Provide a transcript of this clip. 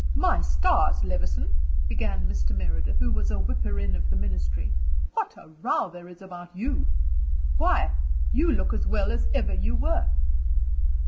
"My stars, Levison!" began Mr. Meredith, who was a whipper in of the ministry, "what a row there is about you! Why, you look as well as ever you were."